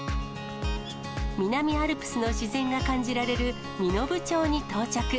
南アルプスの自然が感じられる身延町に到着。